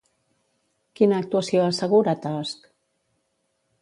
Quina actuació assegura Tusk?